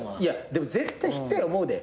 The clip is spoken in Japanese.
でも絶対必要や思うで。